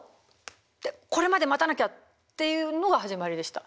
ってこれまで待たなきゃっていうのが始まりでした。